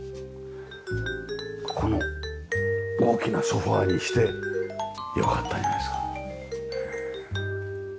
ここの大きなソファにしてよかったんじゃないですか？